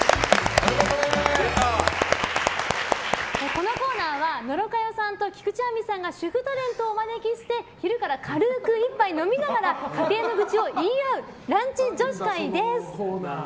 このコーナーは野呂佳代さんと菊地亜美さんが主婦タレントをお招きして昼から軽く一杯飲みながら家庭の愚痴を言い合うランチ女子会です。